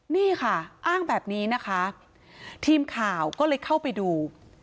นี่ค่ะอ้างแบบนี้นะคะทีมข่าวก็เลยเข้าไปดู